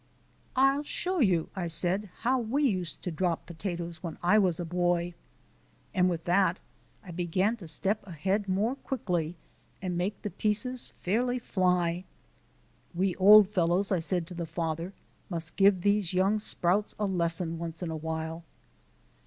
"I'll show you," I said, "how we used to drop potatoes when I was a boy." And with that I began to step ahead more quickly and make the pieces fairly fly. "We old fellows," I said to the father, "must give these young sprouts a lesson once in a while."